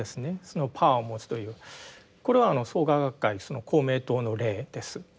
そのパワーを持つというこれはあの創価学会公明党の例です。